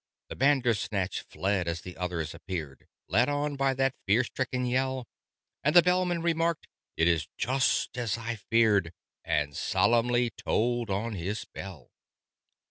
The Bandersnatch fled as the others appeared Led on by that fear stricken yell: And the Bellman remarked "It is just as I feared!" And solemnly tolled on his bell.